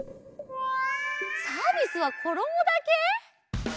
サービスはころもだけ！？